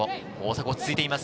落ち着いています。